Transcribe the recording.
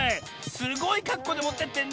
すごいかっこうでもってってんね。